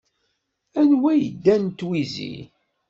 Anwa yeddan d twizi?